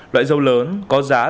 loại râu lớn có giá